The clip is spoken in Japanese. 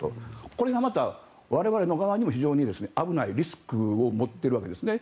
これがまた、我々の側にも非常に危ないリスクを持っているわけですね。